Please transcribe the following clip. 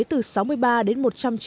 từ sáu mươi ba đến một trăm chín mươi